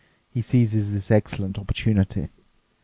He seizes this excellent opportunity.